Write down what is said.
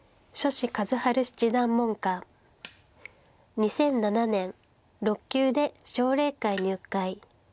２００７年６級で奨励会入会。